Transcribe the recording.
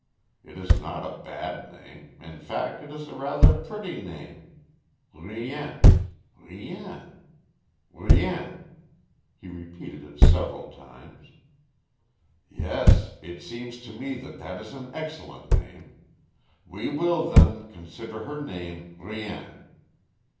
It is not a bad name; in fact, it is rather a pretty name.... Rien.... Rien.... Rien...." He repeated it several times. "Yes, it seems to me that that is an excellent name.... We will, then, consider her name Rien."